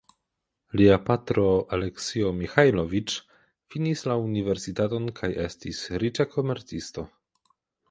Lia patro "Aleksio Miĥajloviĉ" finis la universitaton kaj estis riĉa komercisto.